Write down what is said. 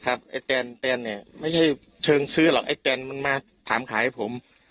ไอ้แตนแตนเนี่ยไม่ใช่เชิงซื้อหรอกไอ้แตนมันมาถามขายให้ผม